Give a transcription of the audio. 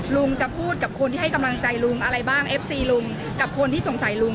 ลุงจะพูดกับคนที่ให้กำลังใจลุงอะไรบ้างเอฟซีลุงกับคนที่สงสัยลุง